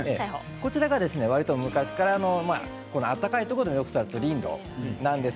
こちらがわりと昔からの暖かいところで育ってきたリンドウです。